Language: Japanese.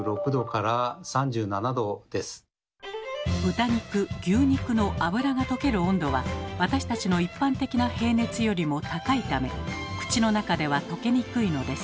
豚肉牛肉の脂が溶ける温度は私たちの一般的な平熱よりも高いため口の中では溶けにくいのです。